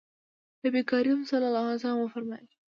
نبي کریم صلی الله علیه وسلم فرمایلي: